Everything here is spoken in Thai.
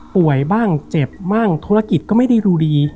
ป่วยบ้างเจ็บบ้างธุรกิจก็ไม่ได้ดูดี